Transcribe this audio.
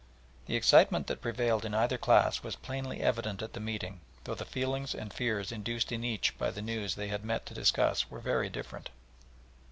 The excitement that prevailed in either class was plainly evident at the meeting, though the feelings and fears induced in each by the news they had met to discuss were very different.